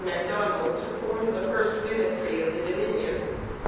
Macdonald to form the first ministry of the Dominion.